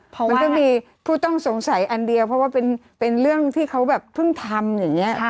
มันก็มีผู้ต้องสงสัยอันเดียวเพราะว่าเป็นเรื่องที่เขาแบบเพิ่งทำอย่างนี้